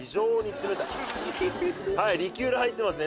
はいリキュール入ってますね